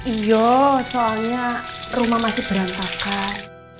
iya soalnya rumah masih berantakan